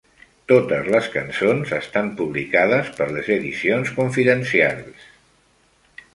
Totes les cançons estan publicades per Les Editions Confidentielles.